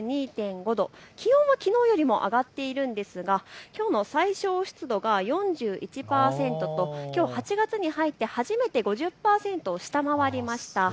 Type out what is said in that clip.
気温はきのうよりも上がっているんですがきょうの最小湿度が４１％ときょう８月に入って初めて５０％を下回りました。